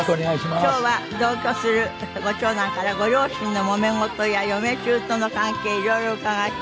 今日は同居するご長男からご両親のもめ事や嫁姑の関係いろいろ伺わせていただきます。